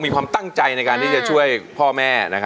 มีความตั้งใจในการที่จะช่วยพ่อแม่